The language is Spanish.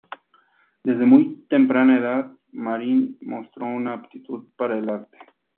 Desde muy temprana edad, Marine mostró una aptitud para el arte.